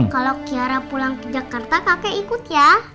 kalau kiara pulang ke jakarta kakek ikut ya